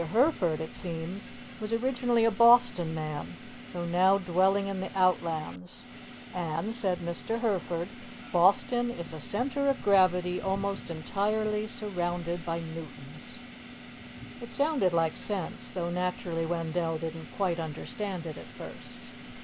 Herford, it seemed, was originally a Boston man, though now dwelling in the outlands, and, said Mr. Herford, "Boston is a center of gravity almost entirely surrounded by Newtons." It sounded like sense, though naturally Wendell didn't quite understand it at first.